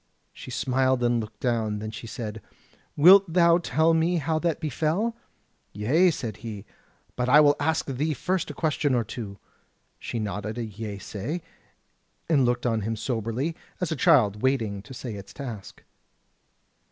She smiled and looked down: then she said: "Wilt thou tell me how that befell?" "Yea," said he, "but I will ask thee first a question or two." She nodded a yeasay, and looked on him soberly, as a child waiting to say its task.